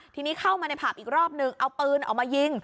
ทีนี้เข้ามาในผับอีกรอบนึงเอาปืนออกมายิง